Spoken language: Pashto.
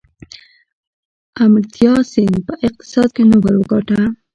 امرتیا سین په اقتصاد کې نوبل وګاټه.